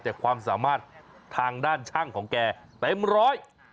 แต่ความสามารถทางด้านช่างของแกเต็มร้อย